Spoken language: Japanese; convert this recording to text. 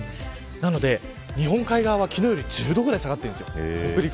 なので日本海側は、昨日より１０度ぐらい下がっているんですよ。